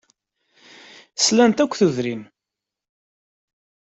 Slant akk tudrin.